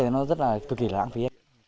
thì nó rất là cực kỳ lang phí